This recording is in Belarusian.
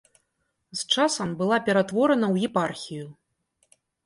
З часам была ператворана ў епархію.